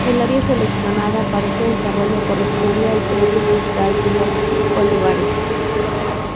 El área seleccionada para este desarrollo corresponde al predio fiscal Río Olivares.